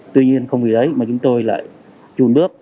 tuy nhiên không vì đấy mà chúng tôi lại chùn bớp